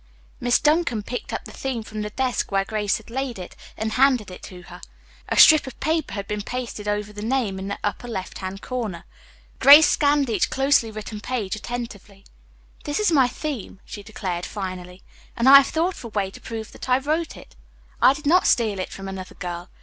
Miss Duncan picked up the theme from the desk where Grace had laid it and handed it to her. A strip of paper had been pasted over the name in the upper left hand corner. Grace scanned each closely written page attentively. "This is my theme," she declared finally, "and I have thought of a way to prove that I wrote it. I did not steal it from another girl.